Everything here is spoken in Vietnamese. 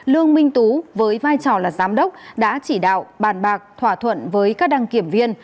lương minh tú với vai trò là giám đốc đã chỉ đạo bàn bạc thỏa thuận với các đăng kiểm viên